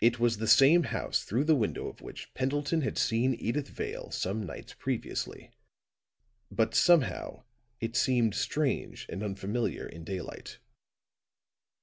It was the same house through the window of which Pendleton had seen Edyth Vale some nights previously, but, somehow, it seemed strange and unfamiliar in daylight.